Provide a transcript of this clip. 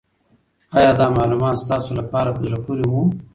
آیا دا معلومات ستاسو لپاره په زړه پورې وو؟